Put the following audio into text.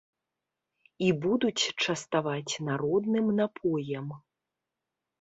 І будуць частаваць народным напоем.